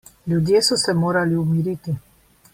Ljudje so se morali umiriti.